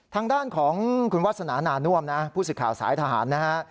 ทางด้านของคุณวาสนานาน่วมนะผู้สื่อข่าวสายทหารนะฮะ